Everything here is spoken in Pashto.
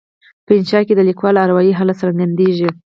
په انشأ کې د لیکوال اروایي حالت څرګندیږي.